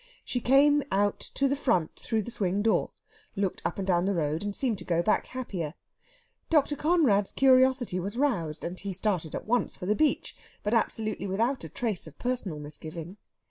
She came out to the front through the swing door, looked up and down the road, and seemed to go back happier. Dr. Conrad's curiosity was roused, and he started at once for the beach, but absolutely without a trace of personal misgiving.